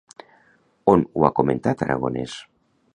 On ho ha comentat Aragonès?